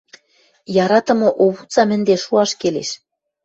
Яратымы овуцам ӹнде шуаш келеш.